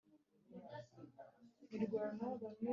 n’umurimo udafite agaciro w’abasiga amarangi,